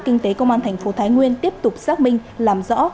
kinh tế công an thành phố thái nguyên tiếp tục xác minh làm rõ